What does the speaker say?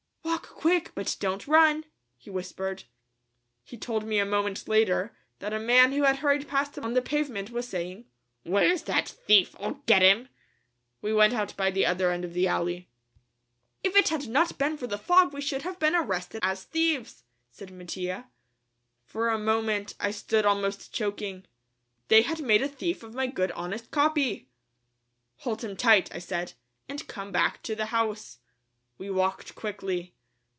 "Walk quick, but don't run," he whispered. He told me a moment later that a man who had hurried past him on the pavement was saying, "Where's that thief? I'll get him!" We went out by the other end of the alley. "If it had not been for the fog we should have been arrested as thieves," said Mattia. For a moment I stood almost choking. They had made a thief of my good honest Capi! "Hold him tight," I said, "and come back to the house." We walked quickly.